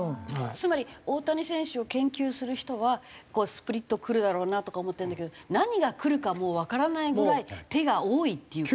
つまり大谷選手を研究する人はここはスプリットくるだろうなとか思ってるんだけど何がくるかわからないぐらい手が多いっていう。